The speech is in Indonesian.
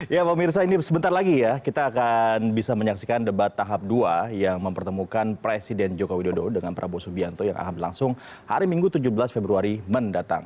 ya pak mirsa ini sebentar lagi ya kita akan bisa menyaksikan debat tahap dua yang mempertemukan presiden joko widodo dengan prabowo subianto yang akan berlangsung hari minggu tujuh belas februari mendatang